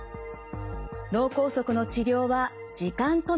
脳梗塞の治療は時間との闘い。